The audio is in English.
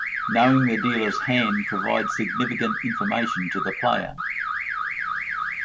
Knowing the dealer's hand provides significant information to the player.